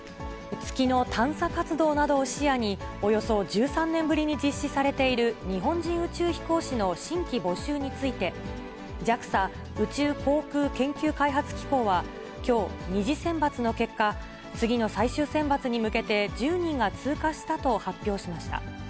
月の探査活動などを視野に、およそ１３年ぶりに実施されている日本人宇宙飛行士の新規募集について、ＪＡＸＡ・宇宙航空研究開発機構はきょう、２次選抜の結果、次の最終選抜に向けて１０人が通過したと発表しました。